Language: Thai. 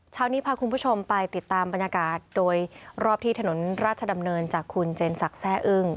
เช้านี้พาคุณผู้ชมไปติดตามบรรยากาศโดยรอบที่ถนนราชดำเนินจากคุณเจนศักดิ์แซ่อึ้ง